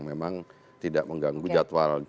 memang tidak mengganggu jadwal